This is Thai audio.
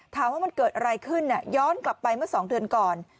ถามว่ามันเกิดอะไรขึ้นย้อนกลับไปเมื่อ๒เดือนก่อน